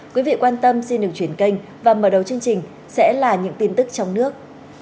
quý vị quan tâm xin đừng chuyển kênh và mở đầu chương trình sẽ là những tin tức trong nước